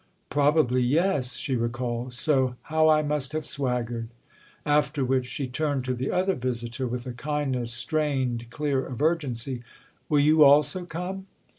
"Probably, yes," she recalled; "so how I must have swaggered!" After which she turned to the other visitor with a kindness strained clear of urgency. "Will you also come?"